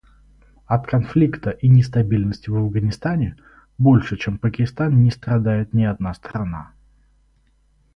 От конфликта и нестабильности в Афганистане больше чем Пакистан не страдает ни одна страна.